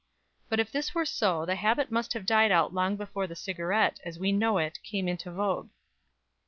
But if this were so, the habit must have died out long before the cigarette, as we now know it, came into vogue.